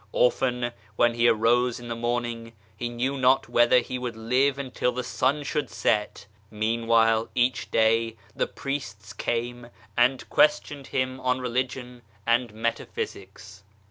Often when he arose in the morning, he knew not whether he would live until the sun should set. Meanwhile, each day, the Priests came and questioned him on Religion and Metaphysics.